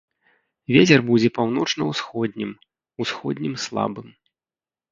Вецер будзе паўночна-ўсходнім, усходнім слабым.